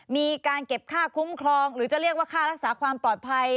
มีการเก็บค่าคุ้มครองหรือจะเรียกว่าค่ารักษาความปลอดภัย